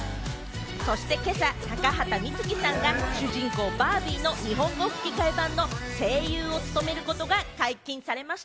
そして今朝、高畑充希さんが主人公・バービーの日本語吹き替え版の声優を務めることが解禁されました。